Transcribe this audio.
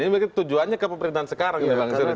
ini mungkin tujuannya ke pemerintahan sekarang ya bang seru